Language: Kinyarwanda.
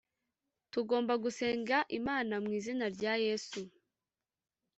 tugomba gusenga imana mu izina rya yesu